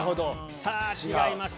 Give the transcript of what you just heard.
さあ、違いました。